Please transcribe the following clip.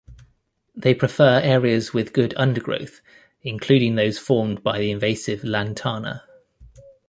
They prefer areas with good undergrowth including those formed by the invasive "Lantana".